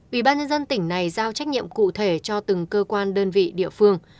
ủy ban nhân dân tỉnh này giao trách nhiệm cụ thể cho từng cơ quan đơn vị địa phương